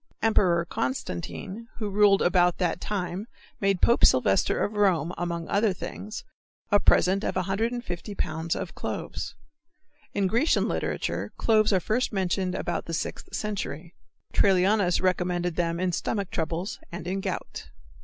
Emperor Constantine, who ruled about that time made Pope Sylvester of Rome, among other things, a present of 150 pounds of cloves. In Grecian literature cloves are first mentioned about the Sixth century. Trallianus recommended them in stomach troubles and in gout.